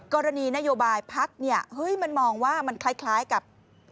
กรณีนโยบายพัฒน์มันมองว่ามันคล้ายกับ